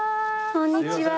こんにちは。